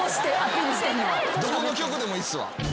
どこの局でもいいっすわ。